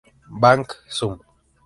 Bang Zoom!